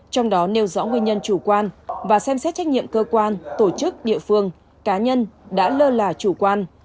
trong đó nêu rõ nguyên nhân chủ quan và xem xét trách nhiệm cơ quan tổ chức địa phương cá nhân đã lơ là chủ quan